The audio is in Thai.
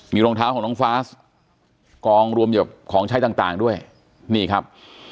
มีรองเท้าของน้องฟาสกองรวมกับของใช้ต่างด้วยนี่ครับ